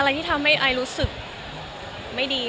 ขออะไรที่ทำให้อายรู้สึกไม่ดี